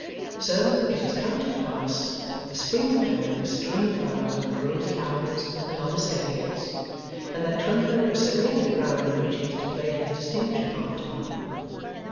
So, it has come to pass that the spring van is strewing flowers on the rosy hours and on the staircase, and that Twemlow is surveying the ground on which he is to play his distinguished part to morrow.